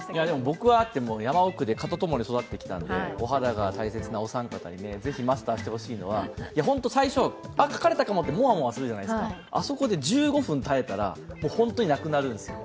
僕はあっても、山奥で蚊と共に育ってきたのでお肌が大切なお三方にぜひマスターしてほしいのは、最初、刺されたかもってもわもわするじゃないですか、あそこで１５分耐えたら本当になくなるんですよ。